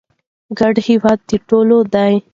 ګډ هېواد د ټولو دی.